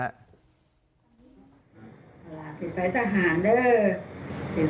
ภาระผิดไปทหารด้วย